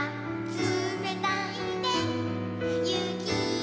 「つめたいねゆきのこ」